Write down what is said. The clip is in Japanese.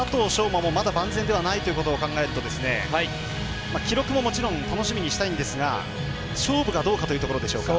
馬も、まだ万全ではないということを考えると記録ももちろん楽しみにしたいんですが勝負がどうかというところでしょうか。